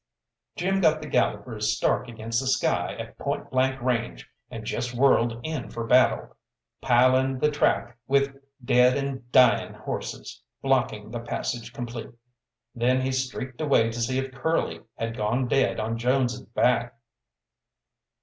Jim got the gallopers stark against the sky at point blank range, and just whirled in for battle, piling the track with dead and dying horses, blocking the passage complete. Then he streaked away to see if Curly had gone dead on Jones' back.